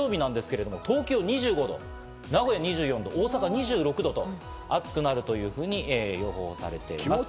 そして土曜日ですけど、東京は２５度、名古屋２４度、大阪２６度など暑くなるというふうに予報されています。